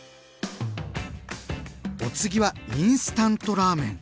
お次はインスタントラーメン！